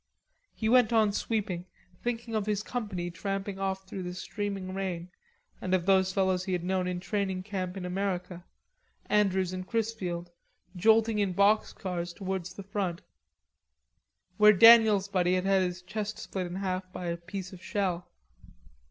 He went on sweeping, thinking of his company tramping off through the streaming rain, and of those fellows he had known in training Camp in America, Andrews and Chrisfield, jolting in box cars towards the front, where Daniel's buddy had had his chest split in half by a piece of shell.